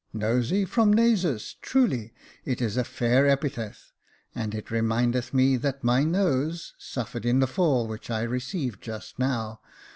*' Nosey, from nasus — truly, it is a fair epithet ; and it re mindeth me that my nose suffered in the fall which I re ceived just now.